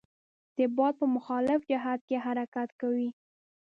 د باد په مخالف جهت کې حرکت کوي.